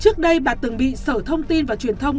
trước đây bà từng bị sở thông tin và truyền thông